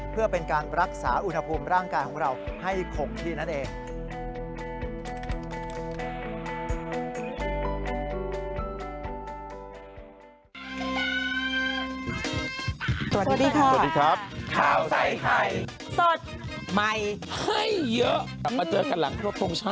เพื่อเป็นการรักษาอุณหภูมิร่างกายของเราให้คงที่นั่นเอง